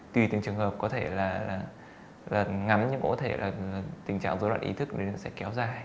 tùy từng trường hợp có thể là ngắm nhưng có thể là tình trạng dối loạn ý thức sẽ kéo dài